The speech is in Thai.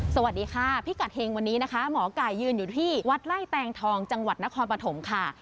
สวัสดีค่ะพิกัดเฮงวันนี้นะคะหมอไก่ยืนอยู่ที่วัดไล่แตงทองจังหวัดนครปฐมค่ะ